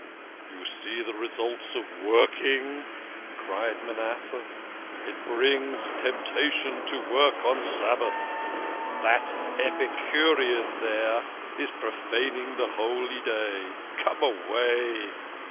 "You see the results of working," cried Manasseh. "It brings temptation to work on Sabbath. That Epicurean there is profaning the Holy Day. Come away